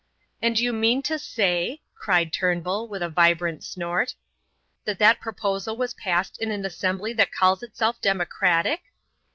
"And you mean to say," cried Turnbull, with a vibrant snort, "that that proposal was passed in an assembly that calls itself democratic?"